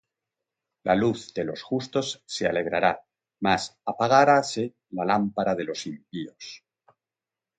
La luz de los justos se alegrará: Mas apagaráse la lámpara de los impíos.